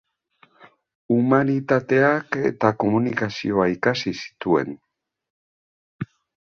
Humanitateak eta Komunikazioa ikasi zituen.